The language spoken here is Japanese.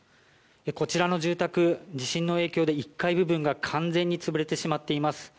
こちらの住宅、地震の影響で１階部分が完全に潰れてしまっています。